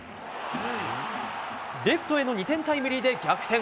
レフトへの２点タイムリーで逆転。